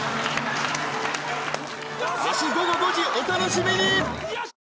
明日午後５時お楽しみに！